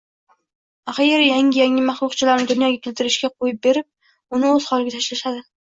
Axiyri, yangi-yangi mahluqchalarni dunyoga keltirishiga qo`yib berib, uni o`z holiga tashlashadi